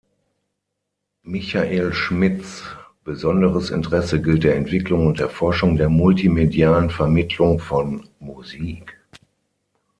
Michael Schmidts besonderes Interesse gilt der Entwicklung und Erforschung der multimedialen Vermittlung von Musik.